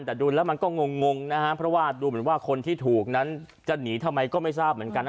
แต่ดูแล้วมันก็งงนะฮะเพราะว่าดูเหมือนว่าคนที่ถูกนั้นจะหนีทำไมก็ไม่ทราบเหมือนกัน